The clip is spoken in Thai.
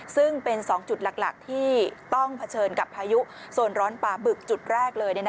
ซึ่งเป็น๒จุดหลักที่ต้องเผชิญกับพายุโซนร้อนป่าบึกจุดแรกเลย